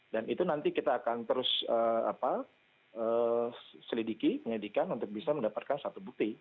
dan itu nanti kita akan terus selidiki penyelidikan untuk bisa mendapatkan satu bukti